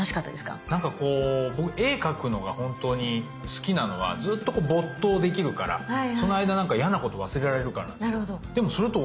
なんかこう僕絵描くのが本当に好きなのはずっとこう没頭できるからその間なんか嫌なこと忘れられるからなんですよ。